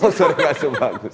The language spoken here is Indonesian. oh suara gak sebagus